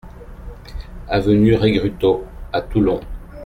Avenue Regrutto à Toulon